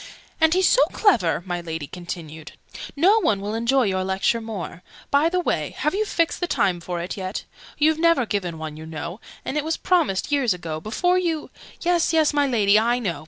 "And he's so clever!" my Lady continued. "No one will enjoy your Lecture more by the way, have you fixed the time for it yet? You've never given one, you know: and it was promised years ago, before you "Yes, yes, my Lady, I know!